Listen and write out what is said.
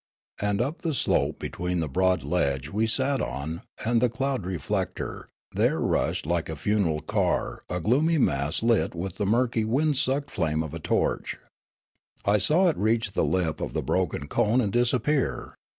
And up the slope between the broad ledge we sat on and the cloud reflector, there rushed like a funeral car a gloomy mass lit with the murky wind sucked flame of a torch. I saw it reach the lip of the broken cone and disappear.